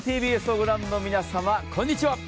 ＴＢＳを御覧の皆様こんにちは。